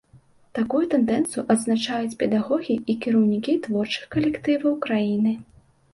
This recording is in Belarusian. Такую тэндэнцыю адзначаюць педагогі і кіраўнікі творчых калектываў краіны.